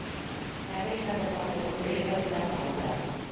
Хәҙер иһә был матурлыҡты ижадымда сағылдырам.